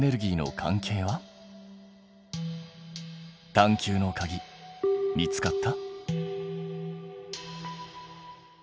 探究のかぎ見つかった？